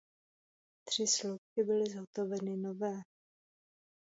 Tři sloupky byly zhotoveny nové.